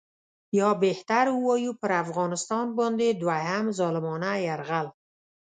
یا بهتر ووایو پر افغانستان باندې دوهم ظالمانه یرغل.